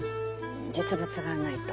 実物がないと。